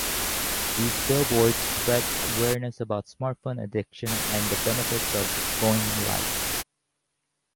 These billboards spread awareness about smartphone addiction and the benefits of "going light".